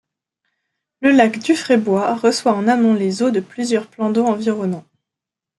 Le lac Dufreboy reçoit en amont les eaux de plusieurs plans d'eau environnants.